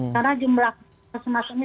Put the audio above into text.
karena jumlah puskesmas ini